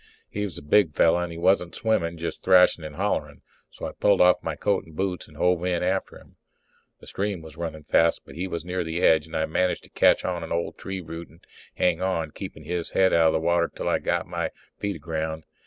He was a big fellow and he wasn't swimming, just thrashin' and hollering. So I pulled off my coat and boots and hove in after him. The stream was running fast but he was near the edge and I managed to catch on to an old tree root and hang on, keeping his head out of the water till I got my feet aground.